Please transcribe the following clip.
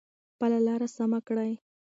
خپله لاره سمه کړئ.